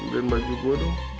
biarin baju gue dong